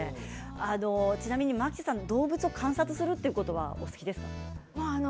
ちなみに牧瀬さん動物を観察するということはお好きですか？